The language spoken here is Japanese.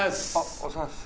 お疲れさまです。